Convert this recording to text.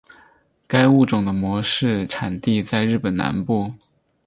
该物种的模式产地在日本南部。